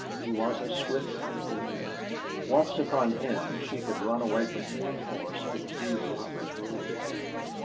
He was as swift as the wind. Once upon him, she could run away from any horse which these robbers rode.